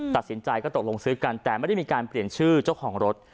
ตัดสินใจก็ตกลงซื้อกันแต่ไม่ได้มีการเปลี่ยนชื่อเจ้าของรถ